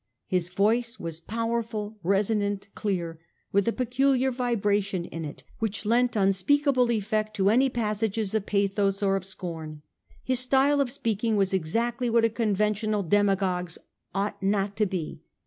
His voice was powerful, resonant, clear, with a peculiar vibration in it which lent un speakable effect to any passages of pathos or of scorn. His style of speaking was exactly what a conven tional demagogue's ought not to be.